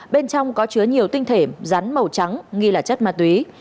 bên trong có chứa nhiều tinh thể rắn màu trắng nghi là chất ma túy